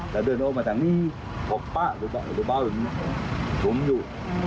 มันเคยถึงต่อมาตรงนี้แล้วก็ผมทุกบ่องอยู่